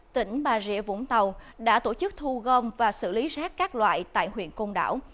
tỉnh bà rịa vũng tàu đã tổ chức thu gom và xử lý rác các loại tại huyện công đảo